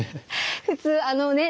普通あのね